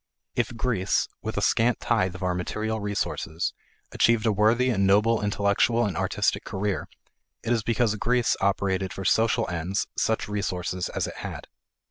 If Greece, with a scant tithe of our material resources, achieved a worthy and noble intellectual and artistic career, it is because Greece operated for social ends such resources as it had.